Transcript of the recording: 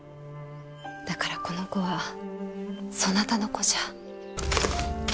だからこの子はそなたの子じゃ。